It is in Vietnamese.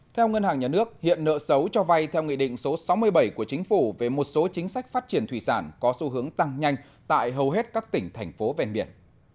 theo ngân hàng nhà nước hiện nợ xấu cho vay theo nghị định số sáu mươi bảy của chính phủ về một số chính sách phát triển thủy sản có xu hướng tăng nhanh tại hầu hết các tỉnh thành phố ven biển